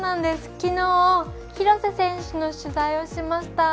昨日、廣瀬選手の取材をしました。